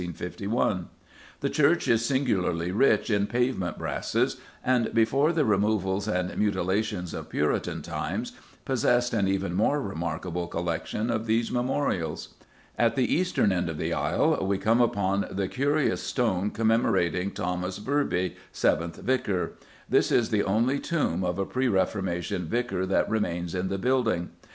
The church is singularly rich in pavement brasses, and, before the removals and mutilations of Puritan times, possessed an even more remarkable collection of these memorials. At the eastern end of the aisle we come upon the curious stone commemorating Thomas Virby, seventh vicar. This is the only tomb of a pre Reformation vicar that remains in the building.